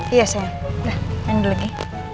iya sayang nah main dulu ya